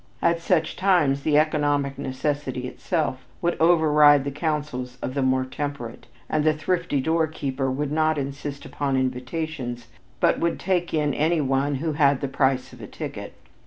At such times the economic necessity itself would override the counsels of the more temperate, and the thrifty door keeper would not insist upon invitations but would take in any one who had the "price of a ticket."